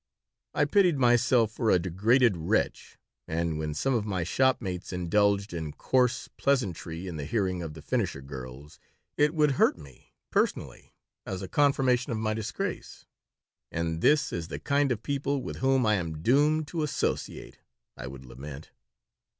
I pitied myself for a degraded wretch. And when some of my shopmates indulged in coarse pleasantry in the hearing of the finisher girls it would hurt me personally, as a confirmation of my disgrace. "And this is the kind of people with whom I am doomed to associate!" I would lament.